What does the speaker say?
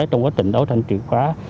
trong quá trình đấu tranh triệt phá